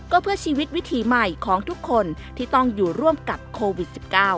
ก็เพื่อชีวิตวิถีใหม่ของทุกคนที่ต้องอยู่ร่วมกับโควิด๑๙